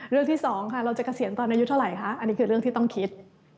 ที่สองค่ะเราจะเกษียณตอนอายุเท่าไหร่คะอันนี้คือเรื่องที่ต้องคิด